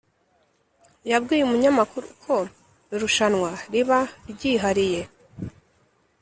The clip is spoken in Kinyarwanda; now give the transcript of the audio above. yabwiye umunyamakuru ko irushwanwa riba ryihariye